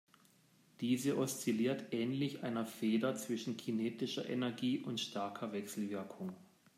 Diese oszilliert ähnlich einer Feder zwischen kinetischer Energie und starker Wechselwirkung.